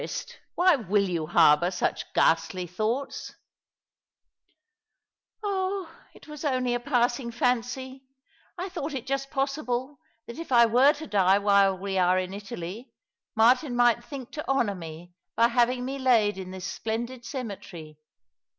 " Dearest, why will you harbour such ghastly thoughts ?"" Oh, it was only a passing fancy. I thought it just pos sible that if I Were to die while we are in Italy, Martin might think to honour me by having me laid in this splendid cemetery.